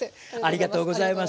ありがとうございます。